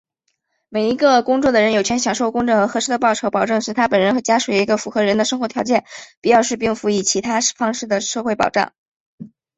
每一个工作的人,有权享受公正和合适的报酬,保证使他本人和家属有一个符合人的生活条件,必要时并辅以其他方式的社会保障。